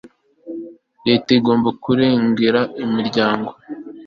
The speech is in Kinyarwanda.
leta igomba kurengera imiryango